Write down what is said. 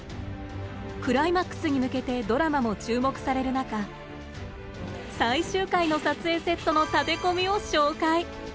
クライマックスに向けてドラマも注目される中最終回の撮影セットの建て込みを紹介！